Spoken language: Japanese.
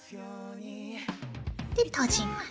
で閉じます。